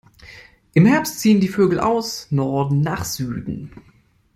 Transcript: Im Herbst ziehen die Vögel aus Norden nach Süden.